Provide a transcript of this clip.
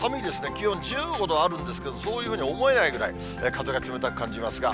気温１５度あるんですけれども、そういうふうに思えないぐらい、風が冷たく感じますが。